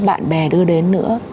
bạn bè đưa đến nữa